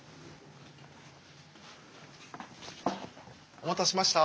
お待たせしました。